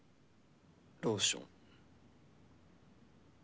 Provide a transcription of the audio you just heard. ローション。